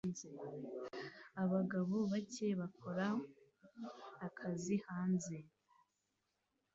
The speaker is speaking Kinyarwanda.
Abagabo bake bakora akazi hanze